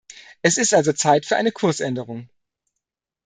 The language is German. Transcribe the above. Es ist also Zeit für eine Kursänderung.